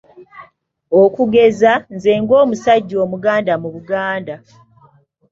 Okugeza, nze ng'omusajja Omuganda mu Buganda.